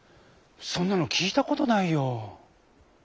そんなのきいたことないよ。